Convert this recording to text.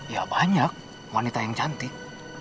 ya banyak wanita yang cantik